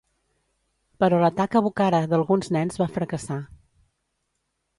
Però l'atac a Bukhara d'alguns nens va fracassar.